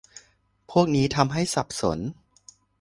พวกนี้ทำให้สับสน